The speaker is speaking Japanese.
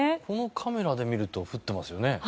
このカメラで見ると降ってますよね。